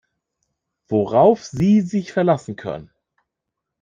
Worauf Sie sich verlassen können.